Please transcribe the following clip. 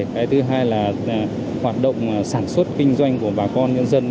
cái thứ hai là hoạt động sản xuất kinh doanh của bà con nhân dân